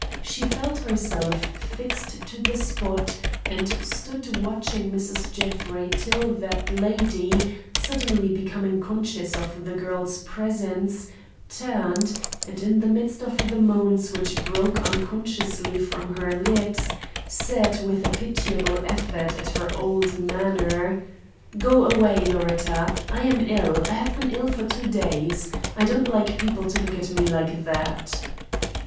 She felt herself fixed to the spot and stood watching Mrs. Jeffrey till that lady, suddenly becoming conscious of the girl's presence, turned, and in the midst of the moans which broke unconsciously from her lips, said with a pitiable effort at her old manner: "Go away, Loretta; I am ill; have been ill for two days. I don't like people to look at me like that!"